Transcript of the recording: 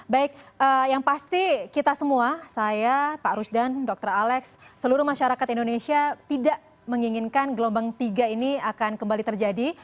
baik yang pasti kita semua saya pak rusdan dr alex seluruh masyarakat indonesia tidak menginginkan gelombang tiga ini akan kembali terjadi